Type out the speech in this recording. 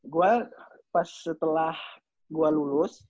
gue pas setelah gue lulus